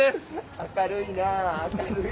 明るいな。